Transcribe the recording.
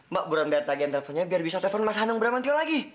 mbak buram biar tagihan teleponnya biar bisa telepon mas danung bramantianya lagi